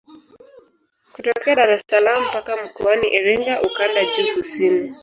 Kutokea Dar es salaam mpaka Mkoani Iringa ukanda juu kusini